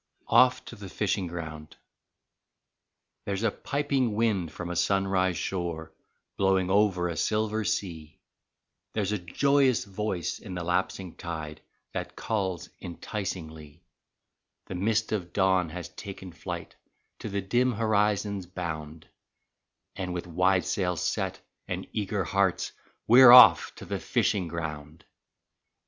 24 OFF TO THE FISHING GROUND There^s a piping wind from a sunrise shore Blowing over a silver sea, There's a joyous voice in the lapsing tide That calls enticingly; The mist of dawn has taken flight To the dim horizon's bound, And with wide sails set and eager hearts We're off to the fishing ground.